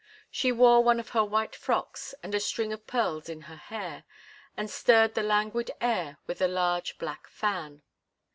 She wore one of her white frocks, and a string of pearls in her hair, and stirred the languid air with a large black fan.